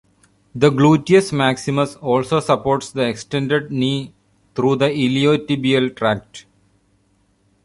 The gluteus maximus also supports the extended knee through the iliotibial tract.